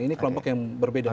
ini kelompok yang berbeda